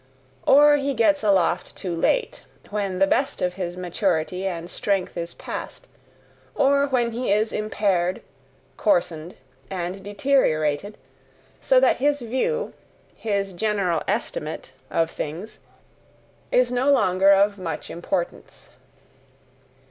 Or he gets aloft too late, when the best of his maturity and strength is past, or when he is impaired, coarsened, and deteriorated, so that his view, his general estimate of things, is no longer of much importance.